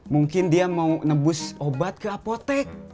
mungkin dia mau nebus obat ke apotek